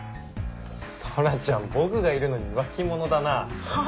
空ちゃん僕がいるのに浮気者だなぁ。